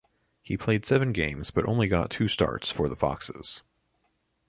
He played seven games, but only got two starts for the "Foxes".